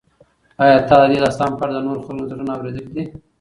ایا ته د دې داستان په اړه د نورو خلکو نظرونه اورېدلي دي؟